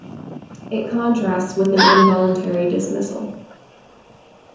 It contrasts with an involuntary dismissal.